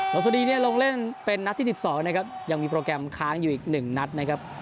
สวัสดีเนี่ยลงเล่นเป็นนัดที่๑๒นะครับยังมีโปรแกรมค้างอยู่อีก๑นัดนะครับ